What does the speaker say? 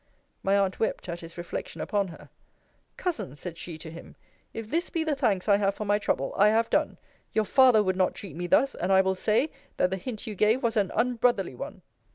My aunt wept at his reflection upon her. Cousin, said she to him, if this be the thanks I have for my trouble, I have done: your father would not treat me thus and I will say, that the hint you gave was an unbrotherly one.